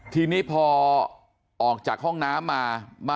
ทีนี้พอออกจากห้องน้ำมา